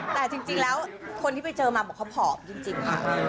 แต่จริงแล้วคนที่ไปเจอมาบอกเขาผอมจริงค่ะ